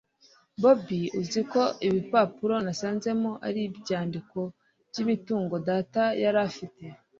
bobi uziko ibipapuro nasanzemo ari ibyandiko byimitungo data yarafite